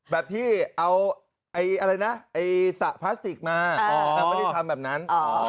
แบบที่เอาอะไรนะไอ้สระพลาสติกมาไม่ได้ทำแบบนั้น